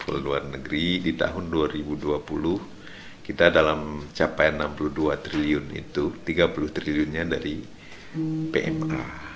kalau luar negeri di tahun dua ribu dua puluh kita dalam capaian enam puluh dua triliun itu tiga puluh triliunnya dari pma